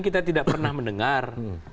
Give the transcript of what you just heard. kita tidak pernah mendengar